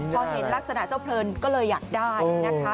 พอเห็นลักษณะเจ้าเพลินก็เลยอยากได้นะคะ